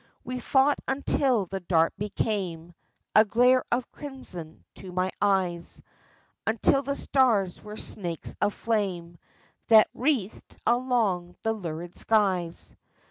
We fought until the dark became A glare of crimson to my eyes, Until the stars were snakes of flame That writhed along the lurid skies.